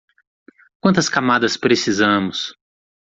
Quantas camadas precisamos?